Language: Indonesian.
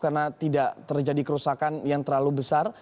karena tidak terjadi kerusakan yang terlalu besar